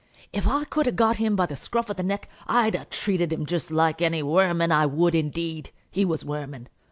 If I could a got him by the scuff of the neck, I'd a treated him jist like any wermin; I would, indeed! He was wermin!